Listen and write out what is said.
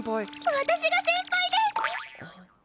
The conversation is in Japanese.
私が先輩です！